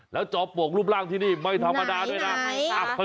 แล้วจอมปลวกรูปร่างที่นี่ไม่ธรรมดาด้วยนะใช่ค่ะ